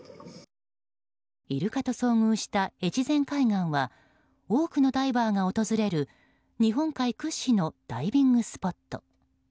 イルカと遭遇した越前海岸は多くのダイバーが訪れる日本海屈指のダイビングスポット。